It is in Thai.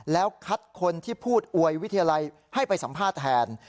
แล้วคัดคนที่พูดอวยวิทยาลัยให้ไปสัมภาษณ์แทน